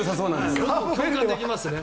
共感できますね。